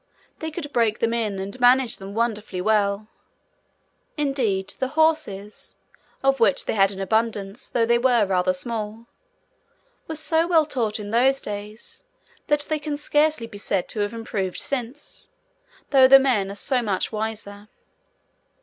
They could break them in and manage them wonderfully well. Indeed, the horses (of which they had an abundance, though they were rather small) were so well taught in those days, that they can scarcely be said to have improved since; though the men are so much wiser.